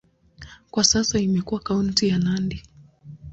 Kwa sasa imekuwa kaunti ya Nandi.